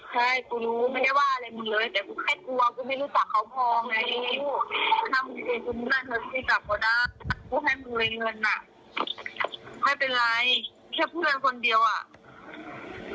ใช่กูรู้ไม่ได้ว่าอะไรมึงเด้อเลยแต่กูแค่กลัวกูไม่รู้จักเขามองไง